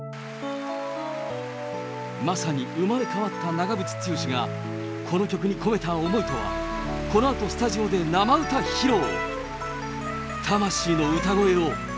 まさに生まれ変わった長渕剛が、この曲に込めた思いとは、このあとスタジオで生歌披露。